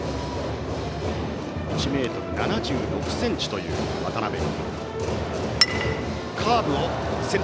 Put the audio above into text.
１ｍ７６ｃｍという渡辺。